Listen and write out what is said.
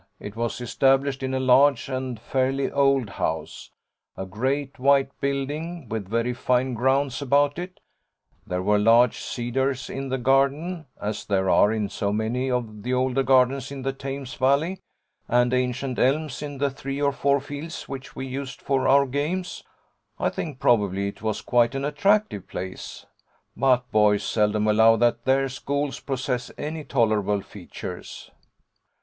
It was established in a large and fairly old house a great white building with very fine grounds about it; there were large cedars in the garden, as there are in so many of the older gardens in the Thames valley, and ancient elms in the three or four fields which we used for our games. I think probably it was quite an attractive place, but boys seldom allow that their schools possess any tolerable features.